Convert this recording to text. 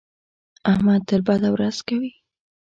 احمد تل بده ورځ کوي.